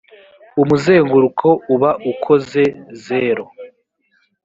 umuzenguruko uba ukoze zero.